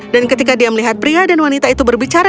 dan ketika dia melihat pria dan wanita itu berbicara